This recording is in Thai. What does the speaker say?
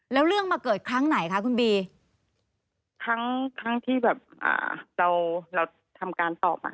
แล้วเรื่องมาเกิดครั้งไหนคะคุณบีครั้งทั้งที่แบบเราเราทำการตอบมา